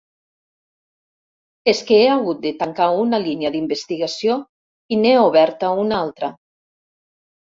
És que he hagut de tancar una línia d'investigació i n'he oberta una altra.